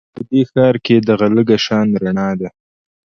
په دې ښار کې دغه لږه شان رڼا ده